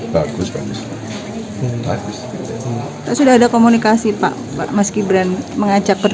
pak kemarin mas kibran tadi mau melebaran bertemu dengan para capres